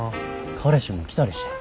彼氏も来たりして。